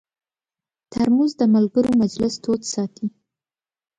ترموز د ملګرو مجلس تود ساتي.